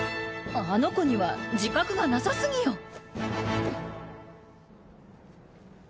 あの子には自覚がなさすぎよ。